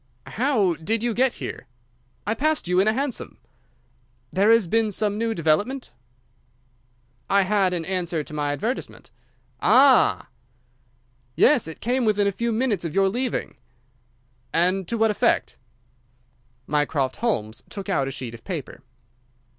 "How did you get here?" "I passed you in a hansom." "There has been some new development?" "I had an answer to my advertisement." "Ah!" "Yes, it came within a few minutes of your leaving." "And to what effect?" Mycroft Holmes took out a sheet of paper.